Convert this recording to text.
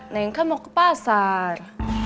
neng kan mau ke pasar